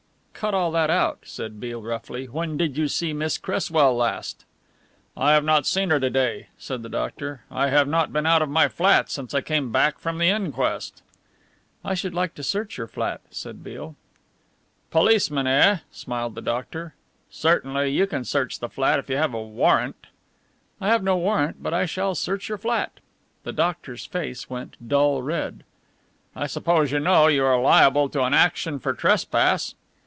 "Cut all that out," said Beale roughly. "When did you see Miss Cresswell last?" "I have not seen her to day," said the doctor. "I have not been out of my flat since I came back from the inquest." "I should like to search your flat," said Beale. "Policeman, eh?" smiled the doctor. "Certainly you can search the flat if you have a warrant." "I have no warrant, but I shall search your flat." The doctor's face went dull red. "I suppose you know you are liable to an action for trespass?"